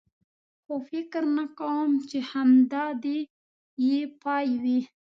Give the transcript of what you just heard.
خو فکر نه کوم، چې همدا دی یې پای وي.